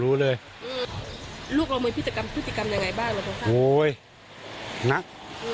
รุ่นโอหิ่ง